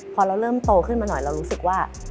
พอเราเริ่มโตขึ้นมาหน่อยเรารู้สึกว่า